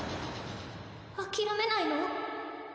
あきらめないの？